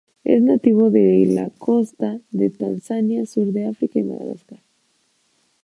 Es nativo de la costa de Tanzania, sur de África y Madagascar.